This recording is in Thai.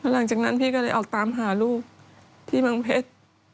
หลังจากนั้นพี่ก็เลยออกตามหาลูกที่เผ็ด